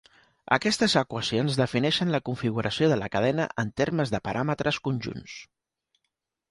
Aquestes equacions defineixen la configuració de la cadena en termes de paràmetres conjunts.